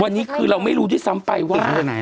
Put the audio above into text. วันนี้คือเราไม่รู้ด้วยซ้ำไปว่า